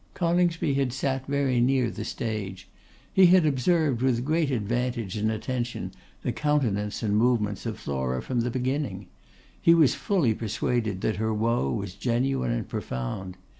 Coningsby had sat very near the stage; he had observed, with great advantage and attention, the countenance and movements of Flora from the beginning. He was fully persuaded that her woe was genuine and profound.